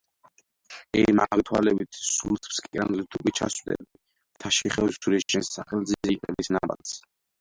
ე მაგ თვალებით სულს ფსკერამდე თუ კი ჩასწვდები, მთაში ხევსური შენს სახელზე აიყრის ნაბადს.